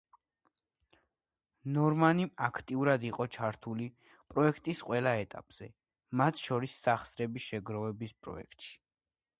ნორმანი აქტიურად იყო ჩართული პროექტის ყველა ეტაპზე, მათ შორის, სახსრების შეგროვების პროცესში.